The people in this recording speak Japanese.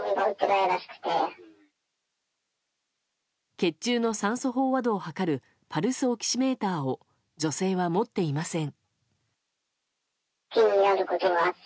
血中の酸素飽和度を測るパルスオキシメーターを女性は持っていません。